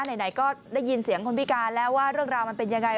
ไหนก็ได้ยินเสียงคนพิการแล้วว่าเรื่องราวมันเป็นยังไง